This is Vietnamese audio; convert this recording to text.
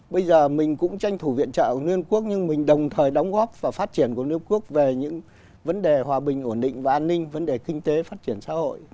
bây giờ mình cũng tranh thủ viện trợ của liên hợp quốc nhưng mình đồng thời đóng góp và phát triển của liên hợp quốc về những vấn đề hòa bình ổn định và an ninh vấn đề kinh tế phát triển xã hội